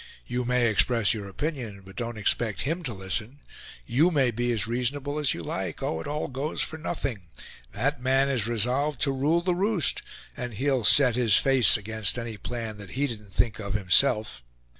You may express your opinion; but don't expect him to listen. You may be as reasonable as you like: oh, it all goes for nothing! That man is resolved to rule the roost and he'll set his face against any plan that he didn't think of himself."